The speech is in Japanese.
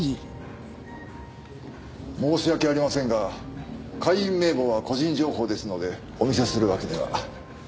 申し訳ありませんが会員名簿は個人情報ですのでお見せするわけには。